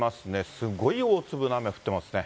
すごい大粒の雨降っていますね。